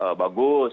ya dpr bagus